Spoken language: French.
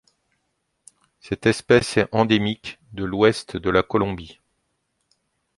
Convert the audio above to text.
Cette espèce est endémique de l'Ouest de la Colombie.